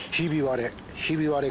ひび割れ。